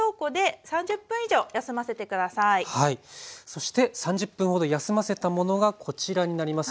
そして３０分ほど休ませたものがこちらになります。